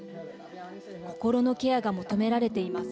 心のケアが求められています。